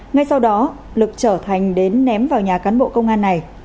ngay sau đó lực trở thành đến ném vào nhà cán bộ công an này